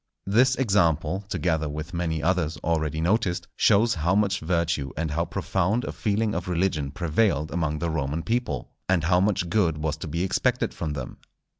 This example, together with many others already noticed, shows how much virtue and how profound a feeling of religion prevailed among the Roman people, and how much good was to be expected from them.